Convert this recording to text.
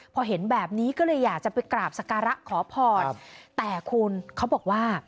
พอเห็นแบบนี้ก็เลยอยากจะไปกราบสการะขอพรแต่คุณเขาบอกว่า